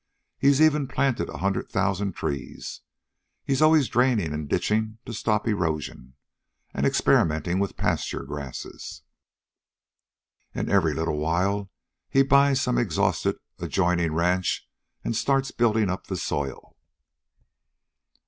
He's even planted a hundred thousand trees. He's always draining and ditching to stop erosion, and experimenting with pasture grasses. And every little while he buys some exhausted adjoining ranch and starts building up the soil."